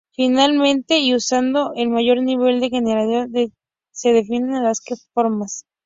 Finalmente y usando el mayor nivel de generalidad se definen las "k"-formas.